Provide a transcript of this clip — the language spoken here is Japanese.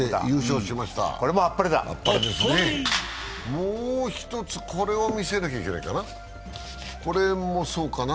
もう１つ、これを見せなきゃいけないかな、これもそうかな。